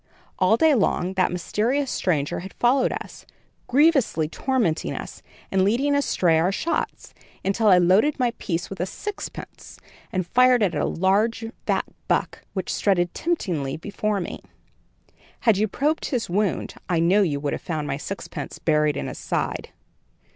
All day long that mysterious stranger had followed us, grievously tormenting us and leading astray our shots, until I loaded my piece with a sixpence and fired at a large fat buck which strutted temptingly before me. Had you probed his wound I trow you would have found my sixpence buried in his side."